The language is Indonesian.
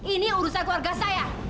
ini urusan keluarga saya